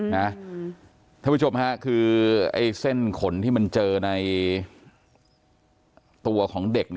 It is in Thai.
ท่านผู้ชมค่ะคือไอ้เส้นขนที่มันเจอในตัวของเด็ก